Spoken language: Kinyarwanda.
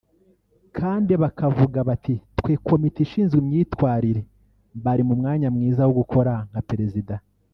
Kandi bakavuga bati twe komite ishinzwe imyitwarire bari mu mwanya mwiza wo gukora nka perezida